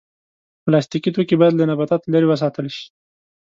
پلاستيکي توکي باید له نباتاتو لرې وساتل شي.